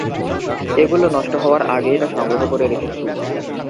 এগুলো নষ্ট হওয়ার আগেই তা সংগ্রহ করে রেখেছি।